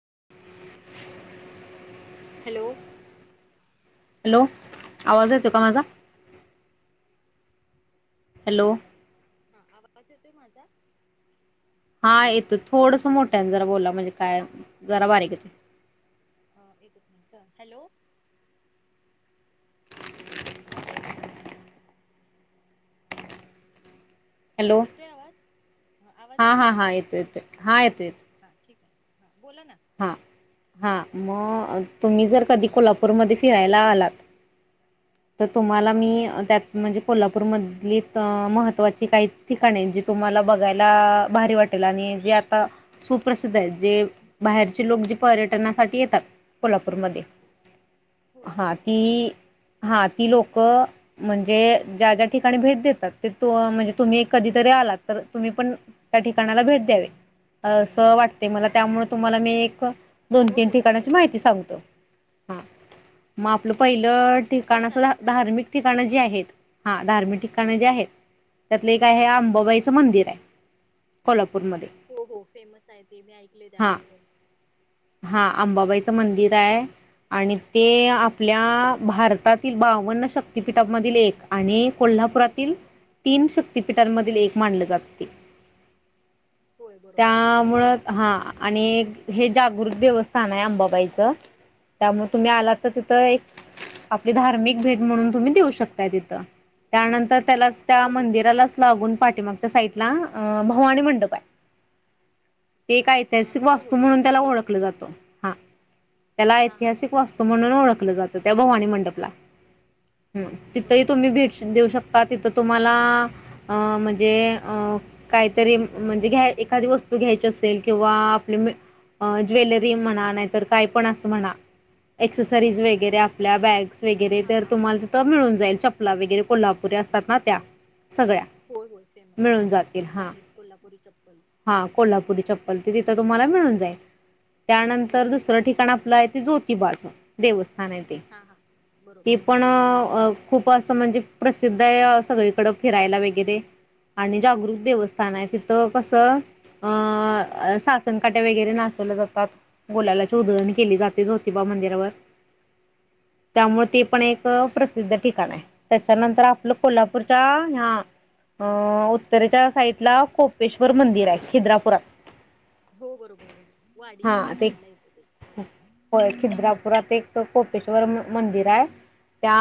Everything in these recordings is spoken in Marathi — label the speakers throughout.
Speaker 1: [inaudible]
Speaker 2: हॅलो
Speaker 1: हॅलो आवाज येतो का माझा? [inaudible] हॅलो
Speaker 2: हा आवाज येतोय माझा
Speaker 1: हा येतो थोडस मोठ्यान जरा बोला म्हणजे काय? जरा बारीक येतोय.
Speaker 2: अ एकच मिनिट हॅलो आता येतोय
Speaker 1: हॅलो
Speaker 2: येतोय आवाज आवाज
Speaker 1: हा
Speaker 2: येतोय
Speaker 1: हा हा येतो, येतो हा येतो येतोय
Speaker 2: हा ठीक आहे बोला ना
Speaker 1: हां हां मगं तुम्ही जर कधी कोल्हापूरमध्ये फिरायला आलात. तर तुम्हाला
Speaker 2: हा
Speaker 1: मी त्यात म्हणजे कोल्हापूरमधली अं महत्त्वाची काही ठिकाणे जे तुम्हाला बघायला भारी वाटेल आणि जे आता सुप्रसिद्ध आहेत. जे बाहेरचे लोक जे पर्यटनासाठी येतात कोल्हा पूर मध्ये
Speaker 2: होय
Speaker 1: हां
Speaker 2: बरोबर
Speaker 1: ती हा ती लोक म्हणजे ज्या ज्या ठिकाणी भेट देतात ते तु म्हणजे तुम्ही कधीतरी आलात तर तुम्ही पण त्या ठिकाणाला भेट द्यावे असं वाटते मला त्यामुळे तुम्हाला मी एक दोन
Speaker 2: हो
Speaker 1: तीन
Speaker 2: हो ठीक
Speaker 1: ठिकाणाची
Speaker 2: आहे
Speaker 1: माहिती
Speaker 2: ठीक आहे
Speaker 1: सांगतो हा म आपलं पहिलं
Speaker 2: हो
Speaker 1: ठिकाण असं धा
Speaker 2: चालेल सांगा ना
Speaker 1: धार्मिक ठिकाण जी आहेत हां धार्मिक ठिकाण जे आहेत. त्यातलं एक
Speaker 2: हा
Speaker 1: आहे आंबाबाईचं मंदिर कोल्हा
Speaker 2: हो हो फेमस आहे ते मी ऐकलय त्याबद्दल
Speaker 1: आंबाबाईचं मंदिर आहे आणि ते आपल्या भारत तातील बावन्न शक्तीपीठांमधील एक आणि कोल्हापुरातील तीन शक्तीपीठांमधील एक मानलं जातं ते
Speaker 2: होय बरोबर बरोबर
Speaker 1: त्यामुळं हां आणि हे जागरूक देवस्थान आहे अंबाबाईचं त्यामुळ तुम्ही आलात तर तिथं एक आपली धार्मिक भेट म्हणून तुम्ही देऊ शकताय तिथं त्यानंतर त्यालाचं त्या
Speaker 2: हो हो नक्की
Speaker 1: मंदिरालाचं
Speaker 2: नक्की
Speaker 1: लागून पाठीमागच्या साईटला अं भवानी मंडप आहे. ते एक
Speaker 2: हा
Speaker 1: ऐतिहासिक
Speaker 2: होय
Speaker 1: वास्तू
Speaker 2: होय
Speaker 1: म्हणून
Speaker 2: ऐकले
Speaker 1: त्याला
Speaker 2: हे
Speaker 1: ओळखलं
Speaker 2: देखील मी
Speaker 1: जातं हां त्याला
Speaker 2: हा हा हा
Speaker 1: ऐतिहासिक वास्तू म्हणून ओळखलं जातं त्या भवानी मन [inaudible] हं
Speaker 2: बर
Speaker 1: तिथंही तुम्ही भेट देऊ शक ता तिथं तुम्हाला अं म्हणजे अं काहीतरी म्हणजे घ्या एखादी वस्तू घ्यायची असेल किंवा आपली ज्वेलरी म्हणा नाहीतर काय पण अस म्हणा एक्सेसरीज वगैरे आपल्या बॅग्स वगैरे
Speaker 2: हा
Speaker 1: तर
Speaker 2: हा हा
Speaker 1: तुम्हाला तिथं मिळून जाईल चपला वगैरे कोल्हा पुरी असतात ना त्या सगळ्या
Speaker 2: होय होय फेमस
Speaker 1: मिळून जातील
Speaker 2: प्रसिद्ध
Speaker 1: हां
Speaker 2: आहेत कोल्हापुरी चप्पल
Speaker 1: हां कोल्हापुरी चप्पल ते तिथ तुम्हाला मिळून जाईल. त्यानंतर
Speaker 2: ओके
Speaker 1: दुसरं ठिकाण आपलंय ते जोत तिबाच देवस्थ हां नाय ते
Speaker 2: हा हा
Speaker 1: ते
Speaker 2: बरोबर
Speaker 1: पण अ खूप असं म्हणजे प्रसिद्ध आहे सगळीकड फिरायला वगैरे आणि जागरूक देवस्थान आहे तिथं कस अ सासनकाट्या वगैरे नाचवल्या जातात गुलालाची उधळणी केली जाते जोतिबा मंदिर वर त्यामुळे ते पण एक प्रसिद्ध ठिकाण आहे. त्याच्यानंतर आपलं कोल्हापूरच्या ह्या अं उत्तरेच्या साईडला कोपेश्वर मंदिर आहे खिद्रापुरात
Speaker 2: हो बरोबर बरोबर
Speaker 1: हा
Speaker 2: वाडीच्या
Speaker 1: ते
Speaker 2: साईडला येते ते
Speaker 1: होय खिद्रापुरात एक कोपेश्वर म मंदिर आहे त्या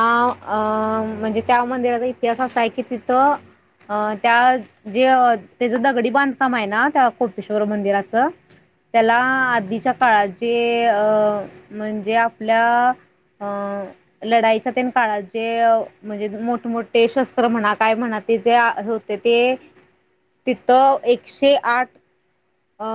Speaker 1: अं म्हणजे त्या मंदिराचा इतिहास असा आहे की तिथं अ त्या जे त्याचं दगडी बांधकाम आहे ना त्या कोटेश्वर मंदिराचं त्याला
Speaker 2: हा
Speaker 1: आधीच्या काळात ते अ म्हणजे आपल्या अ लढाईच्या तेन काळात जे म्हणजे मोठमोठे शस्त्र म्हणा काय म्हणा ते जे होते ते तिथं एकशे आठ अ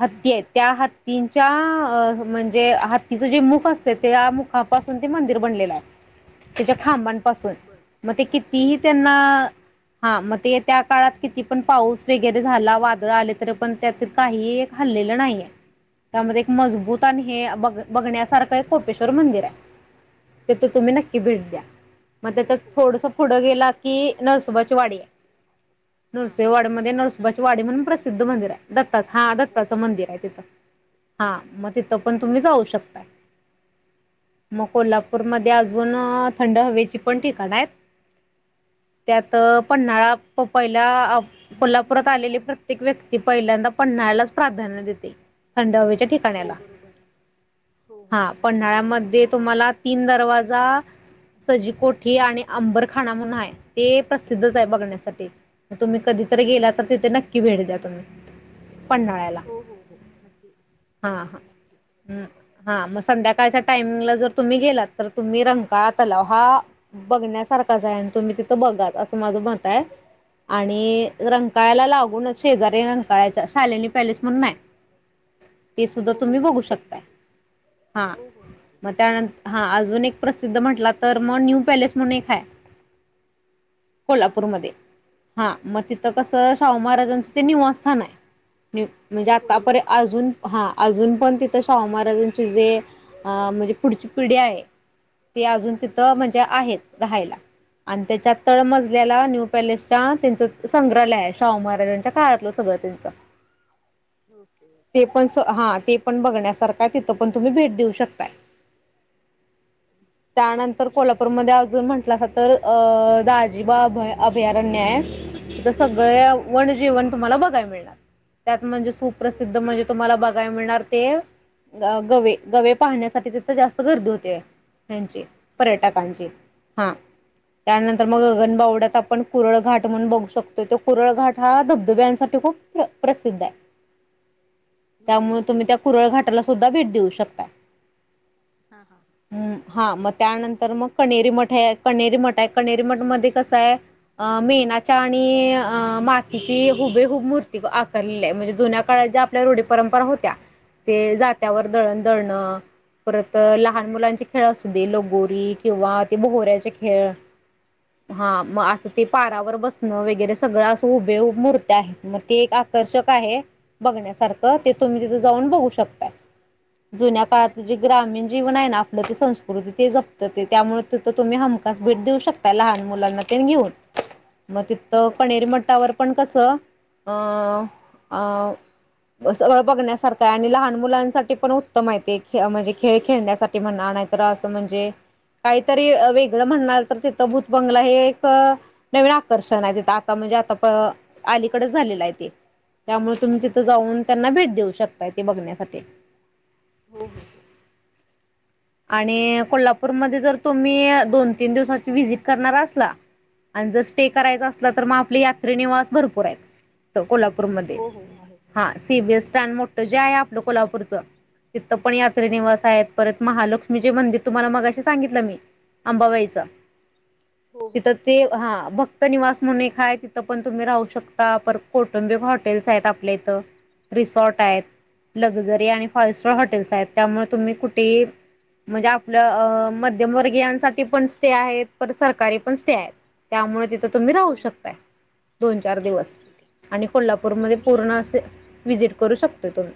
Speaker 1: हत्ती आहेत त्या हत्तींच्या अ म्हणजे हत्तीचं जे मुख असत त्या मुखापासून ते मंदिर बनलेलं आहे त्याच्या खांबांपासून
Speaker 2: हं बरं
Speaker 1: मग ते कितीही
Speaker 2: हां
Speaker 1: त्यांना
Speaker 2: हां हां
Speaker 1: हा मग ते त्या काळात किती पण पाऊस वगैरे झाला वादळ आले तर पण त्यातील काहीही एक हल्लेलं नाहीये त्यामध्ये एक मजबूत आणि हे ब बघण्यासारखं एक कोपेश्वर मंदिर आहे. तेथे
Speaker 2: बरं
Speaker 1: तुम्ही
Speaker 2: बरं
Speaker 1: नक्की भेट द्या मग तेथ
Speaker 2: हो हो हो
Speaker 1: थोडस पुढं गेला की नरसोबा ची वाडी
Speaker 2: हां हो
Speaker 1: नृसिंहवाडी मध्ये नरसोबाची
Speaker 2: दत्ताचं
Speaker 1: वाडी म्हणून
Speaker 2: सुप्रसिद्ध
Speaker 1: प्रसिद्ध मंदिर हाय. दत्ताच हा
Speaker 2: हो
Speaker 1: दत्ताचं
Speaker 2: बरोबर
Speaker 1: मंदिर आहे तिथं हा मग तिथ तर पण तुम्ही जाऊ शकताय मग कोल्हापूरमध्ये अजून थंड हवेची पण ठिकाण आहेत त्यात पन्हाळा पहिल्या कोल्हापुरात आलेली प्रत्येक व्यक्ती पहिल्यांदा पन्हाळ्यालाच प्राधान्य देते थंड हवेचे त्या
Speaker 2: हो
Speaker 1: ठिकाण्याला
Speaker 2: बरोबर हो हो
Speaker 1: हा
Speaker 2: बरोबर
Speaker 1: पन्हाळ्यामध्ये तुम्हाला तीन दरवाजे जा सजी कोठी आणि अंबरखाना म्हणून आहे ते प्रसिद्धच आहे बघण्यासाठी तर तुम्ही कधीतरी गेला तर तिथे नक्की भेट द्या तुम्ही पन्हाळ्याला.
Speaker 2: हो हो हो नक्की
Speaker 1: हा हा
Speaker 2: नक्की नक्की
Speaker 1: हम्म मग संध्याका काळच्या टाइमिंगला जर तुम्ही गेलात तर तुम्ही रंकाळा तलाव हा बघण्यासारखाच आहे आणि तुम्ही तिथं बघाचं असं माझं मत आहे आणि रंंगकाळला लागूनच शेजारी - - कळायच्या शालेिनी पॅलेस म्हणून हाय. ते सुद्धा
Speaker 2: हो हो
Speaker 1: तुम्ही
Speaker 2: हो
Speaker 1: बघू शकताय
Speaker 2: ऐकलं हे
Speaker 1: हा
Speaker 2: हो हो नक्की
Speaker 1: मग त्यानंतर हा अजून एक प्रसिद्ध म्हटला तर मग न्यू पॅलेस म्हणून एक आहे.
Speaker 2: हां हां हां
Speaker 1: कोल्हापूरमध्ये हा मग तिथ
Speaker 2: हो
Speaker 1: कसं
Speaker 2: आहे
Speaker 1: शाहू महाराजांचं ते निवास - - [unintelligible] म्हणजे
Speaker 2: होय
Speaker 1: आतापर्य
Speaker 2: बरोबर
Speaker 1: अजून हा अजून पण तिथं शाहू महाराजांची जे अ म्हणजे पुढची पिढी आहे. ते अजून
Speaker 2: हं
Speaker 1: तिथं म्हणजे आहेत. राहायला अन त्याच्या
Speaker 2: बरं
Speaker 1: तळमजल्याला न्यू पॅलेस त्यांचं संग्रहालय आहे शाहू महाराजांच्या काळातलं सगळ त्यांचा
Speaker 2: ओके
Speaker 1: ते पण स. हा ते पण बघण्यासारखा हाय तिथं पण तुम्ही भेट देऊ शकताय.
Speaker 2: ओके
Speaker 1: त्यानंतर
Speaker 2: ठीक आहे ठीक
Speaker 1: कोल्हापूरमध्ये
Speaker 2: आहे
Speaker 1: अजून म्हंटलासा तर अं.. दाजीबा अभ अभयारण्य हाय, तिथं सगळ्या वन जीवन तुम्हाला बघाय मिळल. मिळणार तत म्हणजे
Speaker 2: हो
Speaker 1: सुप्रसिद्ध
Speaker 2: हो हो
Speaker 1: म्हंजे, तुम्हांला बगाय मिळणार. ते गवे, गवे पाहण्यासाठी तिथं जास्त गर्दी होतिया. ह्यांचे
Speaker 2: हां हां हां
Speaker 1: पर्यटकांचे, हा. त्यानंतर मग, गगन बावड्यात आपण कुरळ घाट म्हनुन बघू शकतो, तो कुरळ घाट हा धबधब्यांसाठी खूप प्र प्रसिद्ध हाय. त्यामुळे
Speaker 2: ओके
Speaker 1: तुम्ही त्या कुरळ घाटाला सुद्धा भेट देऊ शकताय.
Speaker 2: हा. हा.
Speaker 1: त्यानंतर मग कणेरी मठ हाय, कणेरी मठ हाय, कणेरी मठमध्ये कस हाय? अ मेणाच्या आणि अ मातीची हुबेहूब मूर ती आकारलेली हाय म्हणजे जुन्या काळात ज्या आपल्या रूढी, परंपरा होत्या ते जात्यावर
Speaker 2: हां
Speaker 1: दळण-दळण. परत अं
Speaker 2: होय
Speaker 1: लहान
Speaker 2: बरोबर
Speaker 1: मुलांचे खेळ असूदे लगोरी किंवा ते बोहऱ्याचे खेळ. हा, मं आता ते परावर बसणं वैगरे सगळं असं हुबेहूब मुर्त्या आहेत मं. ते एक आकर्षक आहे. बघण्यासारखं, ते तुम्ही तिथं जाऊन बघू शकताय. जुन्या
Speaker 2: हां
Speaker 1: काळातलं जे
Speaker 2: ठीक आहे ठीक
Speaker 1: ग्रामीण जीवन आहे ना आपल ते संस्कृत. तिथं जपत ते, त्यामुळे तिथं तुम्ही हमखास भेट देऊ शकताय लहान मुलांना तेन घेऊन. मं तिथं,
Speaker 2: बरं
Speaker 1: कणेरी मठावर पण कस? अं.. अं.. सगळं बघण्यासारखं आहे, आणि लहान मुलांसाठी पण उत्तम आहे ते, म्हणजे खेळ खेळण्यासाठी म्हणा, नाहीतर असं म्हणजे कायतरी वेगळं म्हणणार पण तिथं भूतबंगला हे एका नवीन आकर्षण आहे तिथं आता म्हणजे आता पं.. अलीकडंच. झालेलं हाय ते, त्यामुळे तुम्ही तिथ. तिथं
Speaker 2: हां
Speaker 1: जाऊन
Speaker 2: हां
Speaker 1: त्यांना भेट देऊ शकताय. ते बघण्यासाठी.
Speaker 2: हो, हो.
Speaker 1: आणि
Speaker 2: म्हण
Speaker 1: कोल्हापूरमध्ये जर तुम्ही.... दोन तीन दिवसाची व्हिजिट करणार असला. आणि जर स्टे
Speaker 2: हां
Speaker 1: करायचा असला तर मग. आपली यात्री निवास भरपूर आहेत. तं कोल्हापूरमध्ये.
Speaker 2: हो हो आहे
Speaker 1: हा. C B S. स्टॅन्ड मोठं जे आहे आपल कोल्हापूरच. तिथं पण यात्री
Speaker 2: हां
Speaker 1: निवास आहेत. परत महालक्ष्मीचे मंदिर तुम्हाला मगाशी सांगितलं मी अंबाबाईच.
Speaker 2: हो हो
Speaker 1: ईथ ते हा. भक्तनिवास म्हणून एक हाय तिथं पण तुम्ही राहू शकता, परत कौटुंबिक हॉटेल्स आहेत, आपले इथं रिसॉर्ट आहेत, लक्झरी आणि फाईव्ह स्टार हॉटेल्स आहेत, त्यामुळे तुम्ही कुठेही म्हणजे आपलं मध्यमवर्गीयांसाठी पण स्टे आहेत. परत सरकारी पण स्टे आहेत, त्यामुळे. तर तुम्ही राहू
Speaker 2: हो हो हो
Speaker 1: शकताय दोन चार
Speaker 2: ठीक आहे
Speaker 1: दिवस
Speaker 2: ठीक आहे
Speaker 1: आणि
Speaker 2: होय
Speaker 1: कोल्हापूरमध्ये
Speaker 2: मी
Speaker 1: पूर्ण असे व्हिजिट करू शकता. येथून.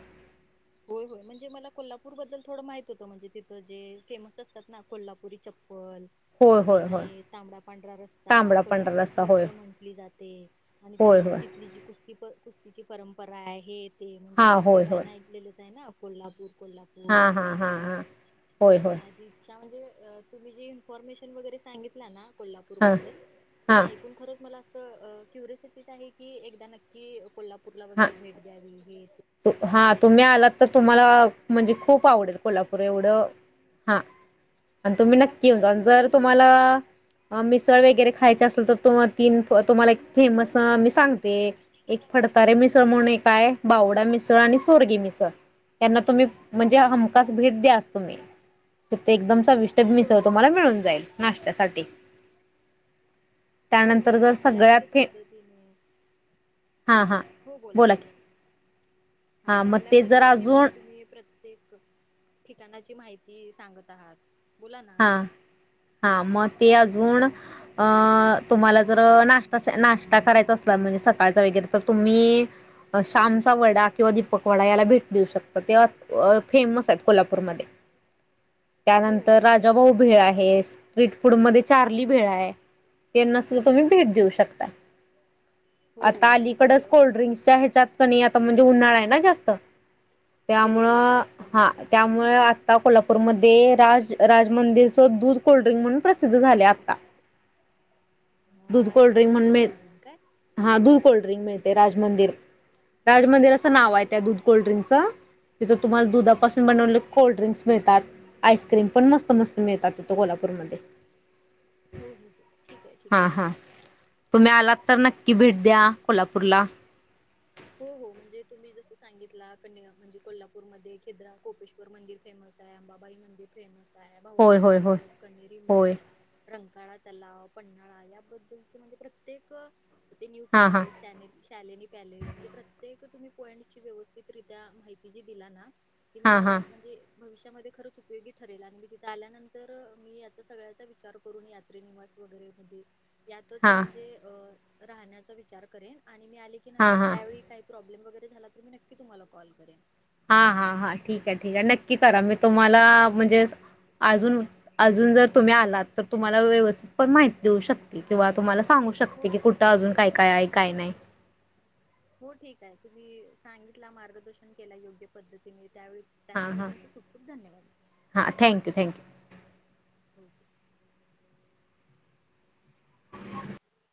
Speaker 2: होय होय म्हणजे मला कोल्हापूर बद्दल थोडं माहित होतं म्हणजे तिथं जे फेमस असतात ना कोल्हापुरी चप पल
Speaker 1: होय होय होय
Speaker 2: आणि तांबडा पांढरा रस्सा
Speaker 1: तांबडा पांढरा
Speaker 2: कोल्हापूरची
Speaker 1: रस्सा होय
Speaker 2: मिसळ म्हंटली जाते आणि
Speaker 1: होय
Speaker 2: ती
Speaker 1: होय
Speaker 2: तिथली जी कुस्ती प कुस्तीची परंप परा आहेत ते म्हणजे
Speaker 1: हा
Speaker 2: आपण ते
Speaker 1: होय होय
Speaker 2: गाण ऐकलेलं. ना कोल्हापूर कोल्हापूर
Speaker 1: हा
Speaker 2: हे
Speaker 1: हा
Speaker 2: ते
Speaker 1: हा हा होय होय
Speaker 2: माझी म्हणजे तुम्ही जी इन्फॉर्मेशन वगैरे सांगितला ना. कोल्हापूर
Speaker 1: हा
Speaker 2: बद्दल
Speaker 1: हा
Speaker 2: ते ऐकून खरंच मला अस क्युरिसिटीच आहे की एकदा नक्की कोल्हापूरला
Speaker 1: हा
Speaker 2: वगैरे भेट द्यावी हे.
Speaker 1: हा तुम्ही आलात तर तुम्हाला म्हणजे
Speaker 2: सगळ
Speaker 1: खूप आवडेल
Speaker 2: प्रत्येक
Speaker 1: कोल्हापूर
Speaker 2: ठिकाण
Speaker 1: एवढं हा आण तुम्ही नक्की येऊन
Speaker 2: म्हणजे
Speaker 1: जा जर तुम्हाला. मिसळ वगैरे खायचे असेल तर तु तीन तुम्हाला एक फेमस मी सांगते एक फडतारे मिसळ म्हणून काय बावड मिसळ आणि सुर्गी मिसळ यांना तुम्ही म्हणजे हमखास भेट द्याच तुम्ही तिथं एकदम चविष्ट
Speaker 2: हो
Speaker 1: मिसळ
Speaker 2: हो
Speaker 1: तुम्हाला मिळून जाईल नाशत्या [unintelligible]
Speaker 2: हो तुम्ही चांगल्या म्हणजे पद्धतीने
Speaker 1: हां हां
Speaker 2: हो बोला बोला. हा
Speaker 1: हां मग
Speaker 2: चांगल्या
Speaker 1: ते जर
Speaker 2: पद्धतीने
Speaker 1: अजून
Speaker 2: म्हणजे तुम्ही प्रत्येक ठिकाणाची माहिती सांगत आहात. बोला ना
Speaker 1: हा
Speaker 2: अजून
Speaker 1: हा म ते आज अजून अं तुम्हाला जर नाश् नाश्ता करायचा असला म्हणजे सकाळचा वगैरे तर तुम्ही श्यामचा वडा किंवा दीपक वडा याला भेट देऊ शकता ते फेमस आहेत कोल्हापूरमध्ये
Speaker 2: हो
Speaker 1: त्यानंत
Speaker 2: हो
Speaker 1: तर
Speaker 2: हो नक्की
Speaker 1: राजाभाऊ
Speaker 2: मी
Speaker 1: भेळ आहे स्ट्रीट फूड मध्ये. चारली भेळ आहे त्यांना सुद्धा तुम्ही भेट देऊ शकता.
Speaker 2: हो हो
Speaker 1: आता
Speaker 2: नक्की
Speaker 1: अलीकडच
Speaker 2: अ, नक्की
Speaker 1: कोल्ड्रिंक्सच्या ह्याच्यात पण यात म्हणजे उन्हाळाय न जास्त.
Speaker 2: होय होय
Speaker 1: त्यामुळं हा
Speaker 2: समजते
Speaker 1: त्यामुळे ता कोल्हापूरमध्ये राज राज मंदिरच दूध कोल्ड्रिंक म्हणून प्रसिद्ध झाले आता.
Speaker 2: अ,
Speaker 1: दूध
Speaker 2: राज
Speaker 1: कोल्ड्रिंक म्हणून
Speaker 2: मंदिरचं
Speaker 1: मिळ
Speaker 2: कोल्ड्रिंक काय
Speaker 1: हा दूध कोल्ड्रिंक मिळ- ते राजमंदिर. राज मंदिर असं नाव आहे
Speaker 2: ओके
Speaker 1: त्या
Speaker 2: ओके
Speaker 1: दूध कोल्ड्रिंकचं. तिथून तुम्हाला
Speaker 2: हा हा
Speaker 1: दुधापासून
Speaker 2: हां
Speaker 1: बनवलेले कोल्ड्रिंक्स मिळतात. आईसक्रीम, पण मस्त-मस्त मिळतात तिथं कोल्हापूरमध्ये.
Speaker 2: हो हो ठीक हाय ठीक हाय.
Speaker 1: हा हा तुम्ही आलात तर नक्की भेट द्या कोल्हापूरला.
Speaker 2: हो हो म्हणजे तुम्ही जस सांगितला कन्या म्हणजे कोल्हापूरमध्ये खीद्रा कोपेश्वर मंदिर फेमस हाय, अंबाबाई मंदिर फेमस हाय. आई
Speaker 1: होय
Speaker 2: भवानी
Speaker 1: होय होय
Speaker 2: मंडप, कनेरी
Speaker 1: होय
Speaker 2: मठ रंकाळा तलाव, पन्हाळा याबद्दलचे म्हणजे प्रत्येक अ ते न्यू
Speaker 1: हां हां
Speaker 2: पॅलेस, शा शालेिनी पॅलेस, ते तुम्ही पॉईंटची व्यवस्थितरित्या माहिती जी दिला ना ती
Speaker 1: हां
Speaker 2: मला
Speaker 1: हां
Speaker 2: म्हणजे भविष्यामध्ये खरच उपयोगी ठरेल आणि मी तिथे आल्यानंतर मी आता सगळ्याचा विचार करून यात्रे निवास वगैरे - यातच
Speaker 1: हां
Speaker 2: म्हणजे अ राहण्याचा विचार करेन आणि मी आली की न
Speaker 1: हां हां
Speaker 2: प्रॉब्लेम वगैरे झाला तर मी नक्की तुमला कॉल करेन.
Speaker 1: हा हा हा ठीक आहे ठीक आहे, नक्की करा मी तुम्हाला म्हणजे अजून अजून जर तुम्ही आलात तर तुम्हाला व्यवस्थित पण माहिती देऊ शकते, किंवा तुम्हाला सांगू शकते
Speaker 2: हो
Speaker 1: की कुठ अजून काय? काय आहे, काय नाई.
Speaker 2: हो ठीक हाय. तुम्ही सांगितला मार्गदर्शन केला योग्य पद्धतीने त्यावेळी
Speaker 1: हां
Speaker 2: त्यामुळे
Speaker 1: हां
Speaker 2: तुमचे खूप-खूप धन्यवाद.
Speaker 1: हां थँक्यू थँक्यू
Speaker 2: [inaudible]
Speaker 1: [unintelligible]